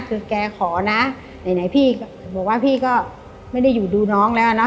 คือแกขอนะไหนพี่ก็บอกว่าพี่ก็ไม่ได้อยู่ดูน้องแล้วนะ